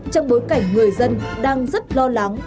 trong bối cảnh người dân đang rất lo lắng